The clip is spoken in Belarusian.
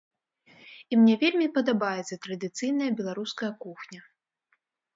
І мне вельмі падабаецца традыцыйная беларуская кухня.